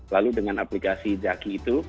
lalu dengan aplikasi zaki